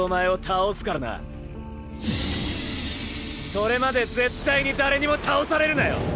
それまで絶対に誰にも倒されるなよ